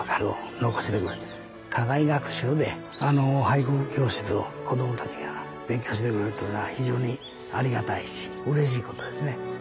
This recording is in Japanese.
課外学習で俳句教室を子どもたちが勉強してくれるっていうのは非常にありがたいしうれしいことですね。